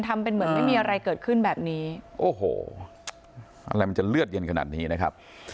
ทำเป็นเหมือนไม่มีอะไรเกิดขึ้นแบบนี้โอ้โหอะไรมันจะเลือดเย็นขนาดนี้นะครับ